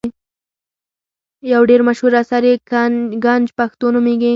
یو ډېر مشهور اثر یې ګنج پښتو نومیږي.